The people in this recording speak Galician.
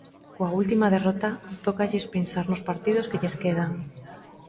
Coa última derrota tócalles pensar nos partidos que lles quedan.